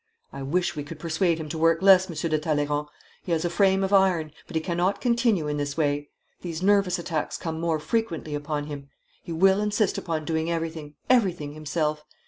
I wish we could persuade him to work less, Monsieur de Talleyrand. He has a frame of iron, but he cannot continue in this way. These nervous attacks come more frequently upon him. He will insist upon doing everything, everything himself.